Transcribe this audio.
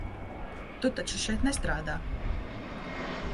Tu taču šeit nestrādā?